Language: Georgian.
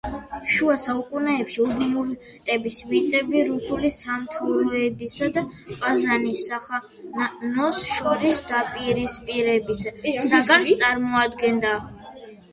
შუა საუკუნეებში უდმურტების მიწები რუსული სამთავროებისა და ყაზანის სახანოს შორის დაპირისპირების საგანს წარმოადგენდა.